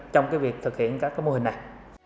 trong việc thực hiện các mô hình này